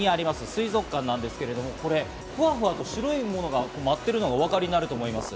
水族館なんですけど、ふわふわと白いものが舞っているのがお分かりになると思います。